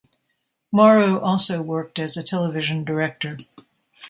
Morrow also worked as a television director.